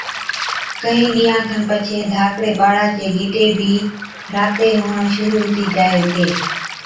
ڪهِين ڏِينهان کن پڇي ڌاڪڙي ٻاڙا چي گِٽي بِي راتي هُوَڻ شرُوع هُتِي جائي هِتي